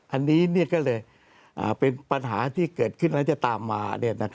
อันนี้ก็เลยเป็นปัญหาที่เกิดขึ้นแล้วจะตามมา